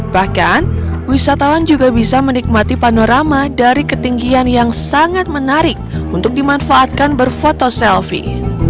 bahkan wisatawan juga bisa menikmati panorama dari ketinggian yang sangat menarik untuk dimanfaatkan berfoto selfie